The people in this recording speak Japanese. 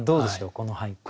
この俳句。